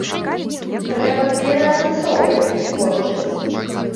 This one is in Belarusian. Трэба пераасэнсоўваць іх творчасць.